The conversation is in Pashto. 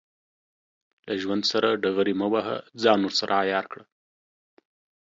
له ژوند سره ډغرې مه وهه، ځان ورسره عیار کړه.